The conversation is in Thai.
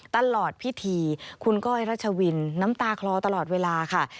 ตลอดพิธีคุณก้อยรัชวินน้ำตาคลอตลอดเวลาค่ะ